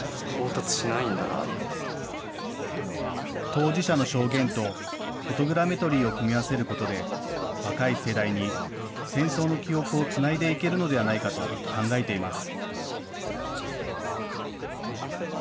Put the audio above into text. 当事者の証言とフォトグラメトリーを組み合わせることで、若い世代に戦争の記憶をつないでいけるのではないかと考えています。